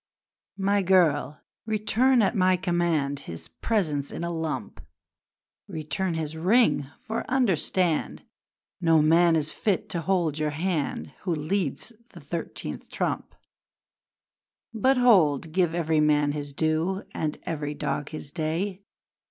'My girl! Return at my command His presents in a lump! Return his ring! For understand No man is fit to hold your hand Who leads a thirteenth trump! 'But hold! Give every man his due And every dog his day.